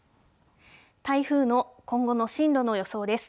台風の今後の進路の予想です。